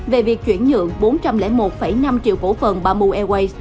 về việc chuyển nhượng bốn trăm linh một năm triệu cổ phần bamboo airways